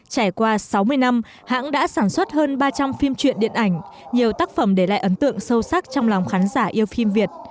trải qua sáu mươi năm hãng đã sản xuất hơn ba trăm linh phim truyện điện ảnh nhiều tác phẩm để lại ấn tượng sâu sắc trong lòng khán giả yêu phim việt